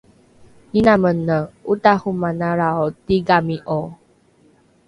’ina mene otahomanalrao tigami’o